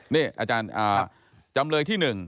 นี่อาจารย์จำเลยที่๑